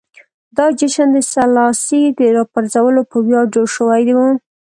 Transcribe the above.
دا جشن د سلاسي د راپرځولو په ویاړ جوړ شوی و.